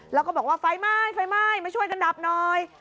แล้วก็บอกว่าไฟไหม้ไฟไหม้มาช่วยกันดับหน่อย